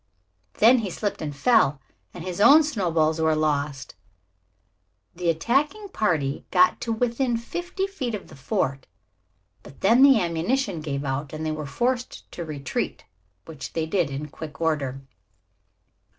Then he slipped and fell and his own snowballs were lost. The attacking party got to within fifty feet of the fort, but then the ammunition gave out and they were forced to retreat, which they did in quick order.